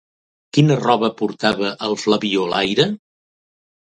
Quina roba portava el Flabiolaire?